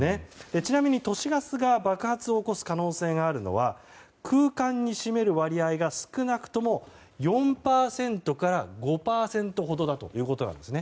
ちなみに都市ガスが爆発を起こす可能性があるのは空間に占める割合が少なくとも４％から５％ほどだということなんです。